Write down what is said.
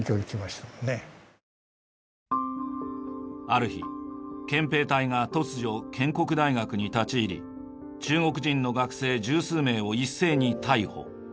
ある日憲兵隊が突如建国大学に立ち入り中国人の学生十数名を一斉に逮捕。